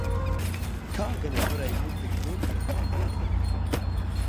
Kā gan es varēju būt tik dumja?